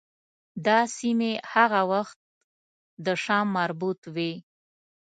دا سیمې هغه وخت د شام مربوط وې.